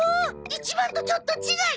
１万とちょっと違い！